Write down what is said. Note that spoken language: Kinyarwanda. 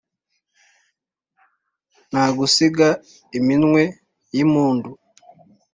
Nagusiga iminwe yimpumdu